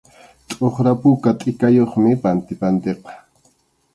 Tʼuqra puka tʼikayuqmi pantipantiqa.